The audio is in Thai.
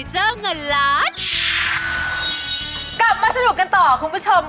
กลับมาสนุกกันต่อคุณผู้ชม